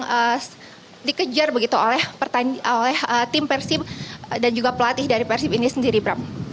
salah satu hal yang dikejar begitu oleh tim persib dan juga pelatih dari persib ini sendiri pram